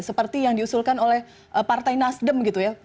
seperti yang diusulkan oleh partai nasdem gitu ya